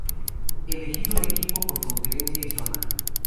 Elegir un equipo por conferencia y zona.